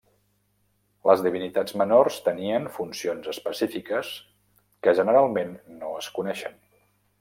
Les divinitats menors tenien funcions específiques que generalment no es coneixen.